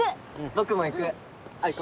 僕も行く青行こう。